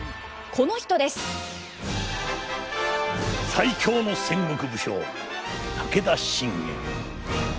最強の戦国武将武田信玄。